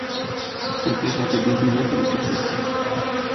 Son père l'avait désigné comme successeur.